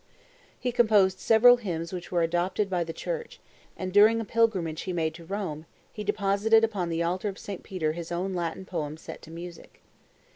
He composed several hymns which were adopted by the Church, and, during a pilgrimage he made to Rome, he deposited upon the altar of St. Peter his own Latin poems set to music.